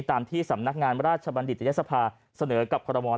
ตามที่สำนักงานราชบัณฑิตยศภาเสนอกับคอรมอล